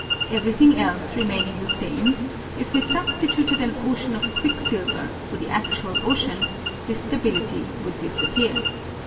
Everything else remaining the same, if we substituted an ocean of quicksilver for the actual ocean, this stability would disappear.